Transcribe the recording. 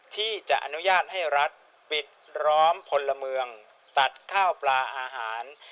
ที่จะอนุญาตให้รัฐปิดล้อมพลเมืองตัดข้าวปลาอาหาร